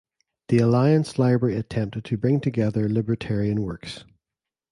The Alliance library attempted to bring together libertarian works.